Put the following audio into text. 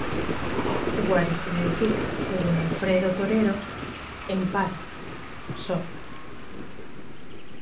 Wari significa, según Alfredo Torero, en pano: Sol.